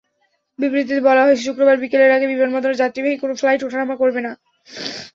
বিবৃতিতে বলা হয়েছে, শুক্রবার বিকেলের আগে বিমানবন্দরে যাত্রীবাহী কোনো ফ্লাইট ওঠানামা করবে না।